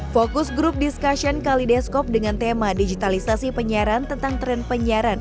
fokus grup diskusi kalideskop dengan tema digitalisasi penyiaran tentang tren penyiaran